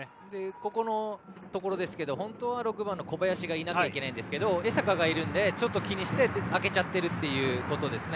今のところも本当は、６番の小林がいなきゃいけないんですけど江坂がいるのでちょっと気にして空けちゃってますね。